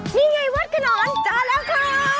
นี่ไงวัดขนอนเจอแล้วค่ะ